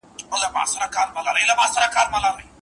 له سهاره تر ماښامه تله راتلله